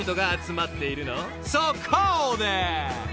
［そこで！］